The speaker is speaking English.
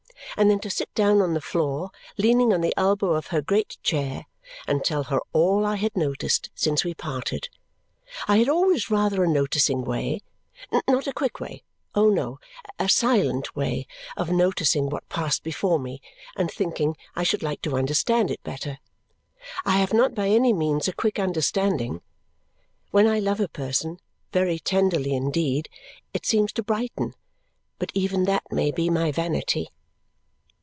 and then to sit down on the floor, leaning on the elbow of her great chair, and tell her all I had noticed since we parted. I had always rather a noticing way not a quick way, oh, no! a silent way of noticing what passed before me and thinking I should like to understand it better. I have not by any means a quick understanding. When I love a person very tenderly indeed, it seems to brighten. But even that may be my vanity.